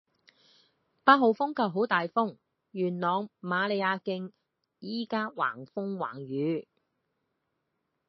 八號風球好大風，元朗瑪利亞徑依家橫風橫雨